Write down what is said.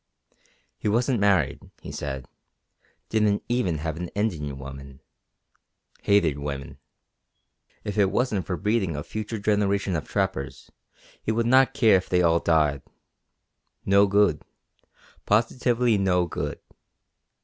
He wasn't married, he said; didn't even have an Indian woman. Hated women. If it wasn't for breeding a future generation of trappers he would not care if they all died. No good. Positively no good.